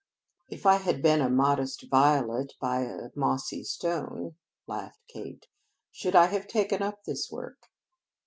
"If I had been a modest violet by a mossy stone," laughed Kate, "should I have taken up this work?"